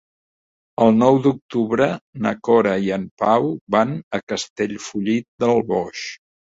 El nou d'octubre na Cora i en Pau van a Castellfollit del Boix.